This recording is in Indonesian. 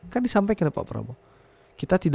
kan disampaikan pak prabowo